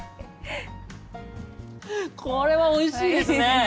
これはおいしいですね。